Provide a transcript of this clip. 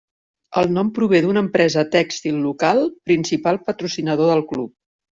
El nom prové d'una empresa tèxtil local, principal patrocinador del club.